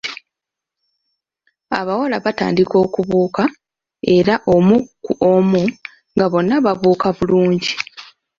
Abawala baatandika okubuuka era omu ku omu nga bonna babuuka bulungi.